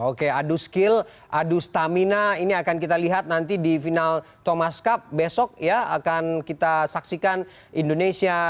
oke adu skill adu stamina ini akan kita lihat nanti di final thomas cup besok ya akan kita saksikan indonesia